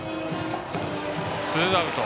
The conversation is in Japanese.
ツーアウト。